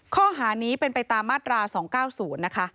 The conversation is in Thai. ข้อหานี้เป็นไปตามมาตรา๒๙๐นะคะ